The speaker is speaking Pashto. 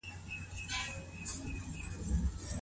اسلام طلاق ته ولي مشروعيت ورکړی دی؟